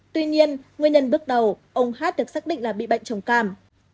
tuy nhiên nguyên nhân bước đầu ông hát được xác định là bị bệnh trồng càm